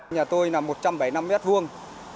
nhà tôi là một trăm bảy mươi năm mét vuông